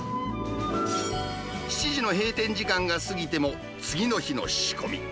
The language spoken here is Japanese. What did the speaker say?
７時の閉店時間が過ぎても、次の日の仕込み。